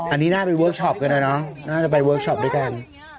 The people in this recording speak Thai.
อันนี้น่าไปเวิร์คชอปกันนะเนอะน่าจะไปเวิร์คชอปด้วยกัน